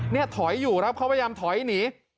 นี่ถอยอยู่ครับเขาพยายามถอยหนี